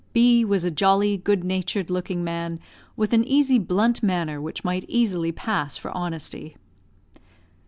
B was a jolly, good natured looking man, with an easy blunt manner which might easily pass for honesty.